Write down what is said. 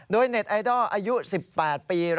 โดยเน็ตไอดอลอายุ๑๘ปี